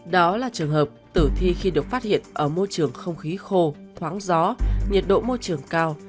đó là trường hợp tử thi khi được phát hiện ở môi trường không khí khô thoáng gió nhiệt độ môi trường cao